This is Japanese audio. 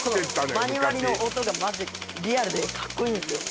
昔マニ割りの音がマジリアルでかっこいいんですよ